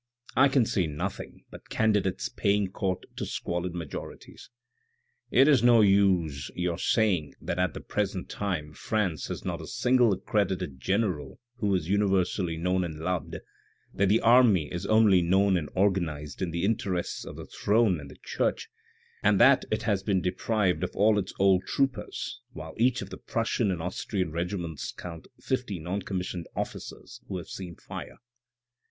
I can see nothing but candidates paying court to squalid majorities. " It is no use your saying that at the present time France has not a single accredited general who is universally known and loved, that the army is only known and organised in the interests of the throne and the church, and that it has been deprived of all its old troopers, while each of the Prussian and Austrian regiments count fifty non commissioned officers who have seen fire.